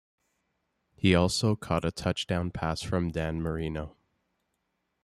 He also caught a touchdown pass from Dan Marino.